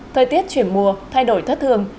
thời tiết chuyển mùa thay đổi thất thường